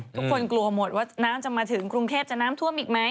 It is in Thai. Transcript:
ทุกคนกลัวหมดว่าน้ำจะมาถึงกรุงเทพจะน้ำท่วมอีกไหม